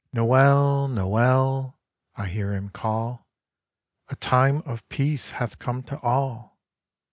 " Noel I Noel I " I hear Him call, " A time of Peace hath come to all!